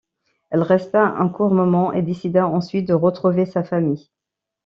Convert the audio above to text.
Elle resta un court moment et décida ensuite de retrouver sa famille.